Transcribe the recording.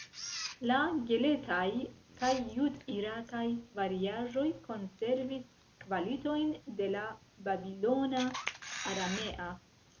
La "gelet-aj" kaj jud-irakaj variaĵoj konservis kvalitojn de la babilona aramea.